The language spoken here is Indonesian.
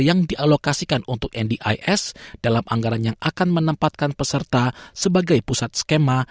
yang dialokasikan untuk ndis dalam anggaran yang akan menempatkan peserta sebagai pusat skema